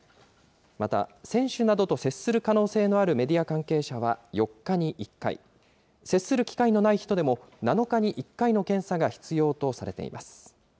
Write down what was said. また選手などと接する可能性のあるメディア関係者は４日に１回、接する機会のない人でも７日に１回の検査が必要とされています。